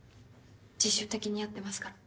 自主的にやってますから。